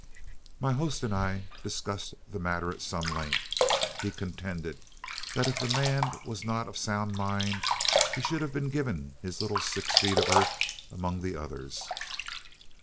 "My host and I discussed the matter at some length. He contended that if the man was not of sound mind, he should have been given his little six feet of earth among the others.